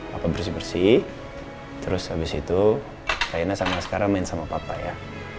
papa bersih bersih terus habis itu kak ina sama sama main sama papa ya